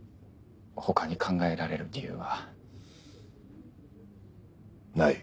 他に考えられる理由はない